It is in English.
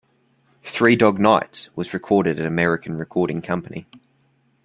"Three Dog Night" was recorded at American Recording Company.